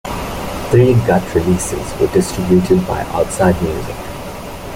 Three Gut releases were distributed by Outside Music.